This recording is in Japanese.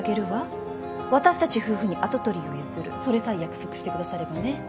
私たち夫婦に跡取りを譲るそれさえ約束してくださればね。